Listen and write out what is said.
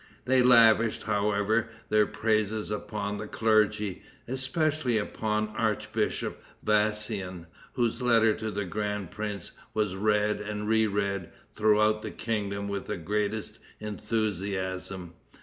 They lavished, however, their praises upon the clergy, especially upon the Archbishop Vassian, whose letter to the grand prince was read and re read throughout the kingdom with the greatest enthusiasm.